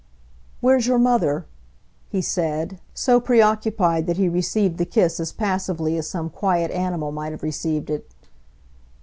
"Where's your mother?" he said, so preoccupied that he received the kiss as passively as some quiet animal might have received it.